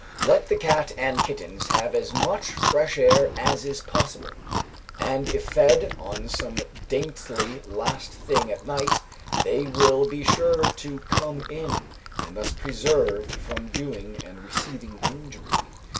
Let the cat and kittens have as much fresh air as is possible; and if fed on some dainty last thing at night they will be sure to "come in," and thus preserved from doing and receiving injury.